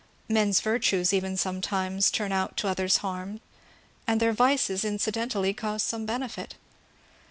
Men's virtues even sometimes turn out to others' harm, and their vices incidentally cause some benefit.